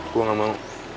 gue gak mau